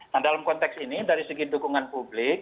nah dalam konteks ini dari segi dukungan publik